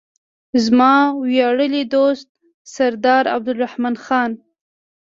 زما ویاړلی دوست سردار عبدالرحمن خان.